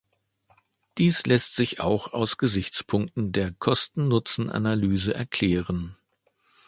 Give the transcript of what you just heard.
Dies lässt sich auch aus Gesichtspunkten der Kosten-Nutzen-Analyse erklären.